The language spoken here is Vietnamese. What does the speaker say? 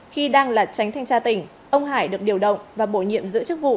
khi đang là tránh thanh tra tỉnh ông hải được điều động và bổ nhiệm giữ chức vụ